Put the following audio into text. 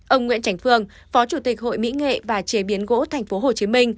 ông nguyễn tránh phương phó chủ tịch hội mỹ nghệ và chế biến gỗ tp hcm